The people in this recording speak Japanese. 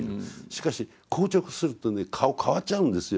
しかし硬直するとね顔変わっちゃうんですよ。